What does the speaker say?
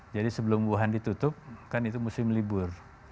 jadi sebelum wuhan ditutup kan itu musim libur